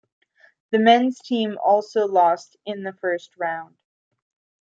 The men's team also lost in the first round.